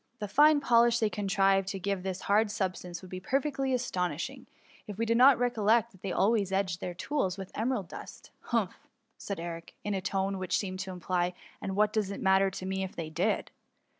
The fine polish they contrived to give this hard substance would be perfectly asto* nishing, if we did not recollect that they always edged their tools with emerald dust Humph r said Edric, in a tone which seemed to imply *^ and what does it matter to me if they did